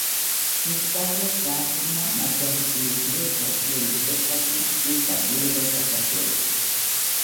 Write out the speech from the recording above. მუსიკალურად გააფორმა მარჯანიშვილის მიერ დადგმული სპექტაკლი „მზის დაბნელება საქართველოში“.